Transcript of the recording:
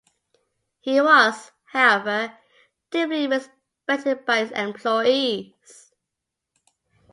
He was, however, deeply respected by his employees.